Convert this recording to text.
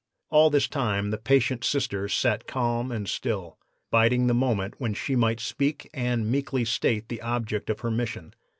All this time the patient Sister sat calm and still, biding the moment when she might speak and meekly state the object of her mission.